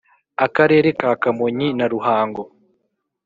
akarere ka kamonyi na ruhango